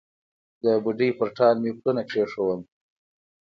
د بوډۍ پر ټال مې پلونه کښېښول